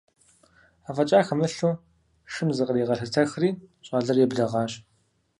АфӀэкӀа хэмылъу шым зыкъригъэлъэтэхри, щӀалэр еблэгъащ.